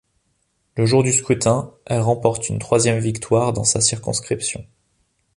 Le jour du scrutin, elle remporte une troisième victoire dans sa circonscription.